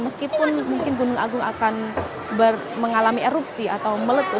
meskipun mungkin gunung agung akan mengalami erupsi atau meletus